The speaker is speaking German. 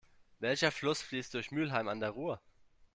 Welcher Fluss fließt durch Mülheim an der Ruhr?